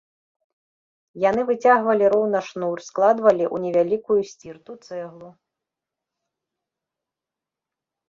Яны выцягвалі роўна шнур, складвалі ў невялікую сцірту цэглу.